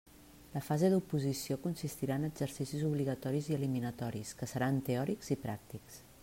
La fase d'oposició consistirà en exercicis obligatoris i eliminatoris, que seran teòrics i pràctics.